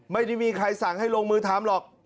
ไม่ได้มีใครสั่งให้ลงมือทำหรอก